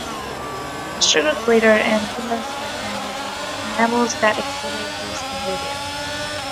The sugar glider and humans are examples of mammals that exhibit this behaviour.